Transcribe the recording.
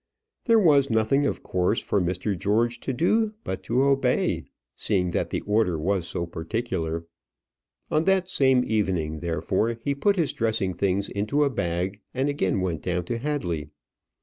There was nothing of course for Mr. George to do but to obey, seeing that the order was so particular. On that same evening, therefore, he put his dressing things into a bag, and again went down to Hadley.